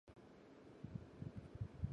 蕨萁为阴地蕨科阴地蕨属下的一个种。